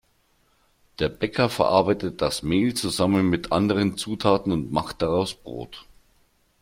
Der Bäcker verarbeitet das Mehl zusammen mit anderen Zutaten und macht daraus Brot.